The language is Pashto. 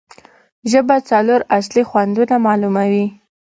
ژبه څلور اصلي خوندونه معلوموي.